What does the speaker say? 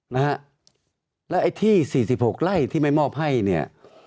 นะฮะและไอ้ที่๔๖ไร่ที่ไม่มอบให้